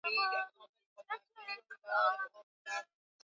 kikwte alikuwa mwenyekiti wa wanafunzi wa shule ya sekondari kibaha